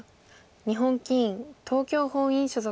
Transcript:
日本棋院東京本院所属。